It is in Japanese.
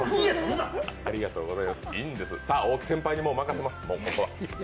大木先輩に任せます。